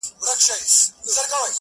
• بې پیسو نه دچا خپل نه د چا سیال یې..